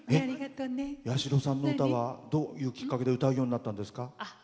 八代さんの歌はどういうきっかけで歌うようになったんですか？